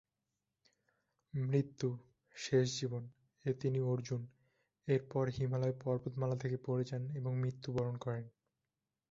মৃত্যু:- শেষ জীবন -এ তিনি অর্জুন -এর পর হিমালয় পর্বতমালা থেকে পড়ে যান এবং মৃত্যু বরণ করেন।